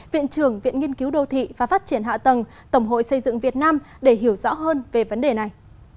viện trưởng viện nghiên cứu đô thị và phát triển hạ tầng tổng hội xây dựng việt nam để hiểu rõ hơn về vấn đề này